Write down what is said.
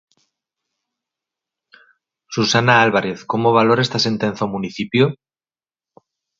Susana Álvarez como valora esta sentenza o municipio?